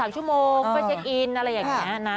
๓ชั่วโมงเพื่อเช็คอินอะไรอย่างนี้นะ